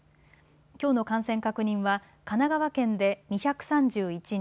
きょうの感染確認は神奈川県で２３１人。